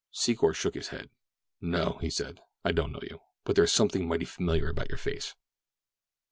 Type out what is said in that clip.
Secor shook his head. "No," he said, "I don't know you, but there is something mighty familiar about your face."